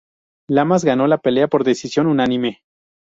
Lamas ganó la pelea por decisión unánime.